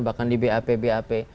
bahkan di bap bap